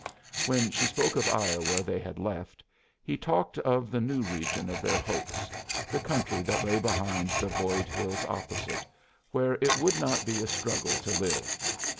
When she spoke of Iowa they had left, he talked of the new region of their hopes, the country that lay behind the void hills opposite, where it would not be a struggle to live.